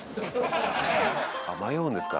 迷うんですか。